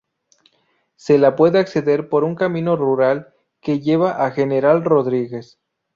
Se la puede acceder por un camino rural que lleva a General Rodríguez.